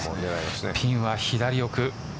ピンは左奥。